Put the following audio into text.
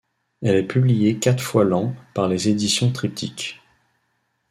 Elle est publiée quatre fois l'an par Les Éditions Triptyque.